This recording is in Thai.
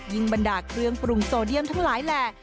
บรรดาเครื่องปรุงโซเดียมทั้งหลายแหล่